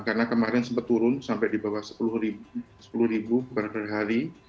karena kemarin sebetulnya sampai di bawah sepuluh ribu berhari